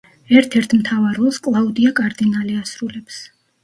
ერთ-ერთ მთავარ როლს კლაუდია კარდინალე ასრულებს.